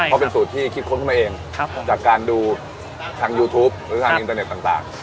เพราะเป็นสูตรที่คิดค้นขึ้นมาเองจากการดูทางยูทูปหรือทางอินเตอร์เน็ตต่าง